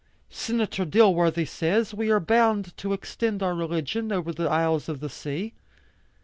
Senator Dilworthy says, we are bound to extend our religion over the isles of the sea.